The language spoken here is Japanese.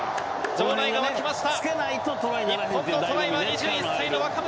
場内がわきました。